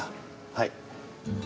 はい。